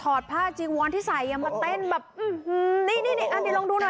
ถอดผ้าจิงวรที่ใส่มาเต้นแบบอื้อนี่นี่นี่อันนี้ลองดูหน่อย